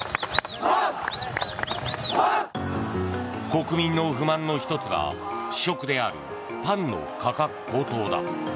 国民の不満の１つが主食であるパンの価格高騰だ。